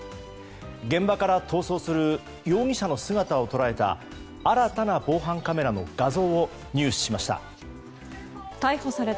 現場から逃走する容疑者の姿を捉えた新たな防犯カメラの画像を入手しました。